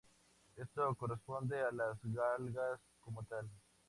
Esto corresponde a las galgas como tal.